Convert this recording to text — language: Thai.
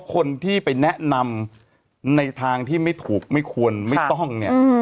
คนที่ไปแนะนำในทางที่ไม่ถูกไม่ควรไม่ต้องเนี่ย